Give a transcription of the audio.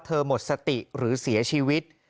หมดสติหรือเสียชีวิต